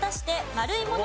丸いもの。